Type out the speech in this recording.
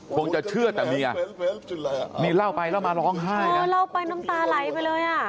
คงจะเชื่อแต่เมียนี่เล่าไปเล่ามาร้องไห้เออเล่าไปน้ำตาไหลไปเลยอ่ะ